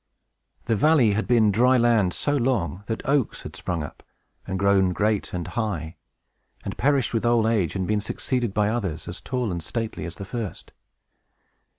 The valley had been dry land so long, that oaks had sprung up, and grown great and high, and perished with old age, and been succeeded by others, as tall and stately as the first.